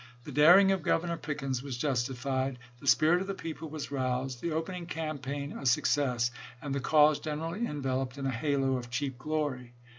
The daring of Governor Pickens was justified, the spirit of the people was roused, the opening campaign a success, and the cause generally enveloped in a halo of cheap glory.